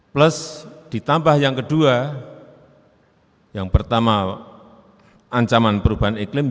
plus ditambah yang kedua yang pertama ancaman perubahan iklim